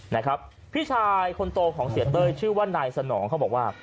นะครับพี่ชายคนโตของเสียเต้ยชื่อว่านายสนองเขาบอกว่า